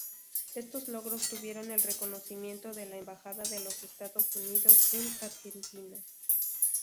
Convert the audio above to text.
Estos logros tuvieron el reconocimiento de la Embajada de los Estados Unidos en Argentina.